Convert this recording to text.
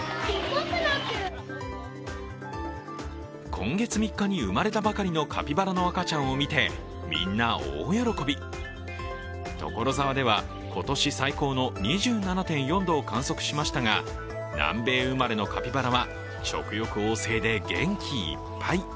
今月３日に生まれたばかりのカピバラの赤ちゃんを見て、みんな大喜び所沢では今年最高の２７．４度を観測しましたが、南米生まれのカピバラは食欲旺盛で元気いっぱい。